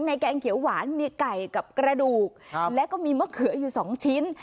แกงเขียวหวานมีไก่กับกระดูกแล้วก็มีมะเขืออยู่สองชิ้น